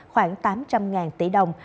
khoảng tám trăm linh tỷ đồng